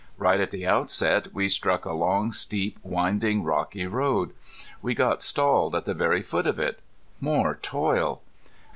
Right at the outset we struck a long, steep, winding, rocky road. We got stalled at the very foot of it. More toil!